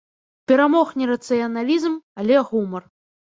Перамог не рацыяналізм, але гумар.